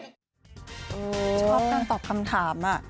ชอบการตอบคำถาม